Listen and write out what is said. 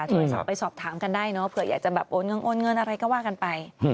โทรศัพท์ไปสอบถามกันได้เนอะเผื่ออยากจะแบบโอนเงินโอนเงินอะไรก็ว่ากันไป